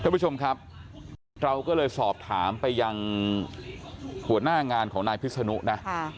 ท่านผู้ชมครับเราก็เลยสอบถามไปยังหัวหน้างานของนายพิษนุนะ